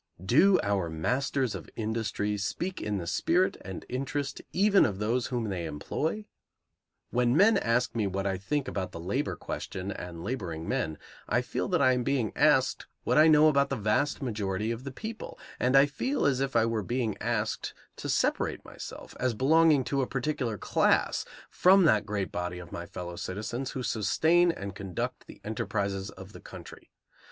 Do our masters of industry speak in the spirit and interest even of those whom they employ? When men ask me what I think about the labor question and laboring men, I feel that I am being asked what I know about the vast majority of the people, and I feel as if I were being asked to separate myself, as belonging to a particular class, from that great body of my fellow citizens who sustain and conduct the enterprises of the country.